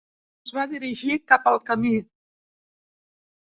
Es va dirigir cap al camí.